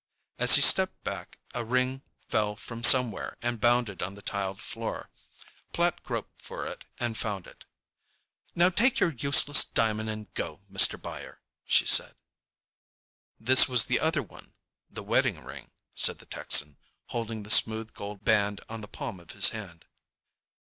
As he stepped back a ring fell from somewhere and bounded on the tiled floor. Platt groped for it and found it. "Now, take your useless diamond and go, Mr. Buyer," she said. "This was the other one—the wedding ring," said the Texan, holding the smooth gold band on the palm of his hand.